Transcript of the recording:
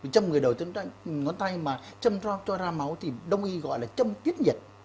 trâm người đầu ngón tay mà trâm cho ra máu thì đồng ý gọi là trâm tuyết nhiệt